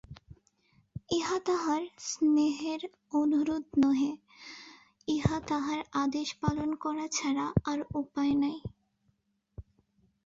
ইহা তাঁহার স্নেহের অনুরোধ নহে, ইহা তাঁহার আদেশ–পালন করা ছাড়া আর উপায় নাই।